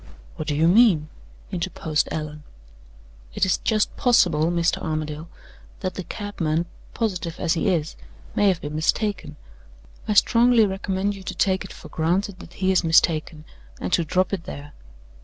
"What do you mean?" interposed Allan. "It is just possible, Mr. Armadale, that the cabman, positive as he is, may have been mistaken. I strongly recommend you to take it for granted that he is mistaken, and to drop it there."